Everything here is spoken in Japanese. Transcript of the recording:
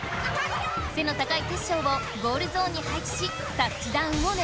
せの高いテッショウをゴールゾーンにはいちしタッチダウンをねらう。